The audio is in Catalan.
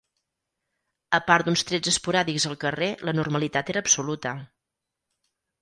...a part d'uns trets esporàdics al carrer la normalitat era absoluta